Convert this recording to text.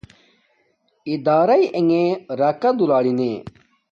ادارݵ انݣ راکا دولارینے